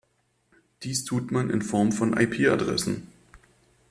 Dies tut man in Form von IP-Adressen.